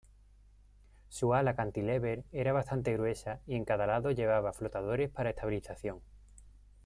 Su ala cantilever era bastante gruesa y en cada lado llevaba flotadores para estabilización.